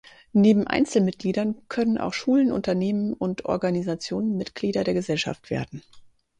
Neben Einzelmitgliedern können auch Schulen, Unternehmen und Organisationen Mitglieder der Gesellschaft werden.